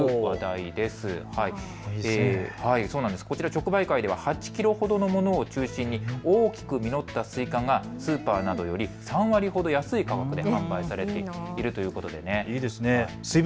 直売会では８キロほどのものを中心に大きく実ったスイカがスーパーなどより３割ほど安い価格で販売されているということです。